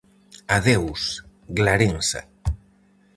Adeus, Glarensa!